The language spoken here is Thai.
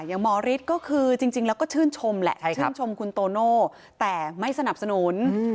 หมอฤทธิ์ก็คือจริงแล้วก็ชื่นชมแหละชื่นชมคุณโตโน่แต่ไม่สนับสนุน